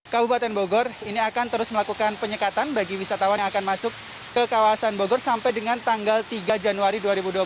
kabupaten bogor ini akan terus melakukan penyekatan bagi wisatawan yang akan masuk ke kawasan bogor sampai dengan tanggal tiga januari dua ribu dua puluh tiga